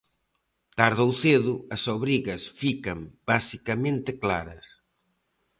Tarde ou cedo, as obrigas fican basicamente claras.